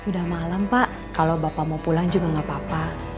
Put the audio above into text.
sudah malam pak kalau bapak mau pulang juga nggak apa apa